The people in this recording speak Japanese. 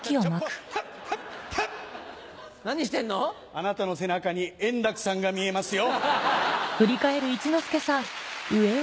あなたの背中に円楽さんが見えますよ。